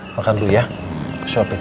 makan dulu ya shopping